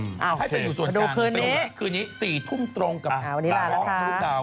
เอ่อโอเคในส่วนคืนนี้คืนนี้๔ทุ่มตรงกับอ้าววันนี้นะครับ